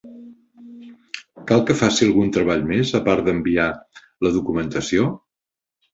Cal que faci algun treball més, a part d'enviar la documentació?